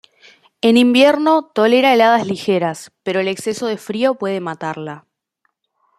En invierno tolera heladas ligeras, pero el exceso de frío puede matarla.